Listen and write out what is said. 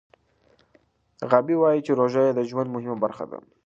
غابي وايي چې روژه یې د ژوند مهمه برخه ده.